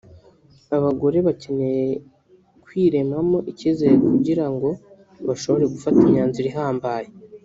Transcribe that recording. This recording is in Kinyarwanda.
Abagore bakeneye kwiremamo icyizere kugira ngo bashobore gufata imyanzuro ihambaye